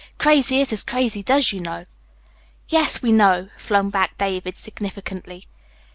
Crazy is as crazy does, you know." "Yes, we know," flung back David significantly.